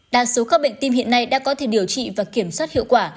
đa số các bệnh tim hiện nay đã có thể điều trị và kiểm soát hiệu quả